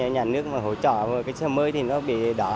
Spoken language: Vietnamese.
nhà nước mà hỗ trợ cái xe mới thì nó bị đỏ